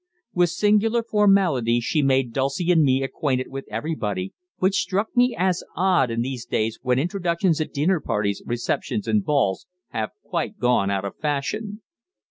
With singular formality she made Dulcie and me acquainted with everybody, which struck me as odd in these days when introductions at dinner parties, receptions and balls have gone quite out of fashion.